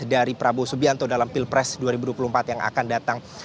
dari prabowo subianto dalam pilpres dua ribu dua puluh empat yang akan datang